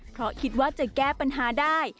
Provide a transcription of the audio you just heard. เพราะคิดว่าจะแก้ปัญหาได้